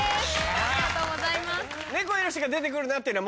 ありがとうございます。